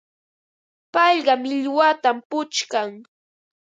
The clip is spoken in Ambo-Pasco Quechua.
Payqa millwatam puchkan.